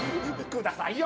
くださいよ！